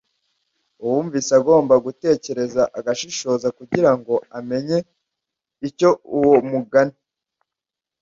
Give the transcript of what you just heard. Uwumvise agomba gutekereza agashishoza kugira ngo amenye icyo uwo mugani